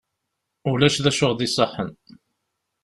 Ulac d acu i aɣ-d-iṣaḥen.